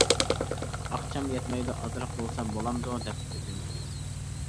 ئاقچام يەتمەيدۇ، ئازراق بولسا بولامدۇ دەپ ئۆتۈندۈم.